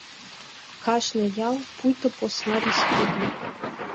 Кажне ял — пуйто посна республик.